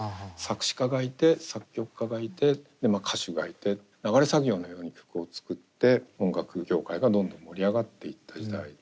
作詞家がいて作曲家がいて歌手がいて流れ作業のように曲を作って音楽業界がどんどん盛り上がっていった時代。